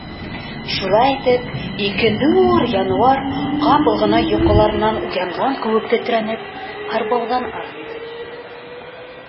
Шулай итеп, ике ҙур януар, ҡапыл ғына йоҡоларынан уянған кеүек тетрәнеп, арбауҙан арынды.